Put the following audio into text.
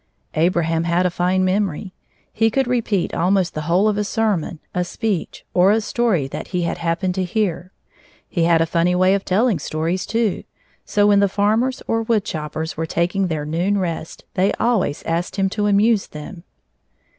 Abraham had a fine memory. He could repeat almost the whole of a sermon, a speech, or a story that he had happened to hear. He had a funny way of telling stories, too, so when the farmers or woodchoppers were taking their noon rest, they always asked him to amuse them.